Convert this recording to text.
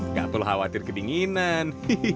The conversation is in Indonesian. nggak perlu khawatir kedinginan